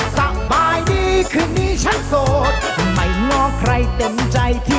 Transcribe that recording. สวัสดีครับ